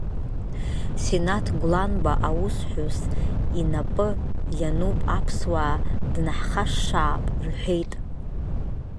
Синаҭ Гәланба аусҳәыс инапы иануп, аԥсуаа днаҳхашшаап, — рҳәеит.